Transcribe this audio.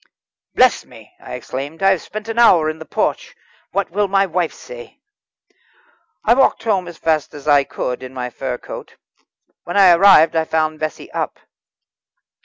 "Bless me!" I exclaimed, "I have spent an hour in the porch. What will my wife say?" I walked home as fast as I could in my fur coat. When I arrived I found Bessie up.